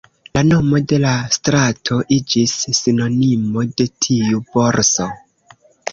La nomo de la strato iĝis sinonimo de tiu borso.